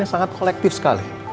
ini sangat kolektif sekali